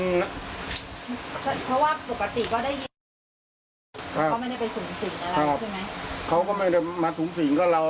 เพราะว่าปกติก็ได้ยินเสียงเขาก็ไม่ได้ไปสูงสิงอะไรใช่ไหมเขาก็ไม่ได้มาสูงสิงกับเรา